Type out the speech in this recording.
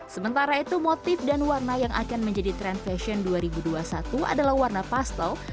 sementara itu motif dan warna yang akan menjadi tren fashion dua ribu dua puluh satu adalah warna pastel